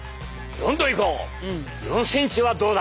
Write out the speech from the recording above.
どんどんいこう！